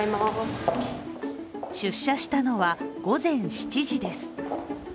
出社したのは午前７時です。